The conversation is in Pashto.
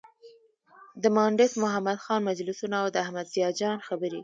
د مانډس محمد خان مجلسونه او د احمد ضیا جان خبرې.